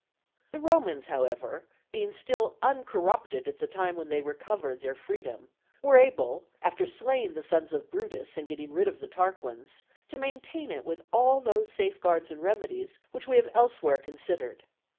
The Romans, however, being still uncorrupted at the time when they recovered their freedom, were able, after slaying the sons of Brutus and getting rid of the Tarquins, to maintain it with all those safeguards and remedies which we have elsewhere considered.